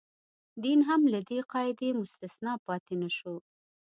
دین هم له دې قاعدې مستثنا پاتې نه شو.